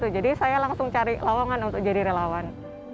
jadi saya langsung cari lawangan untuk jadi relawan